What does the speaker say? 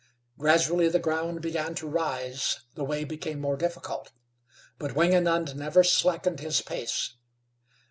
Gradually the ground began to rise, the way become more difficult, but Wingenund never slackened his pace.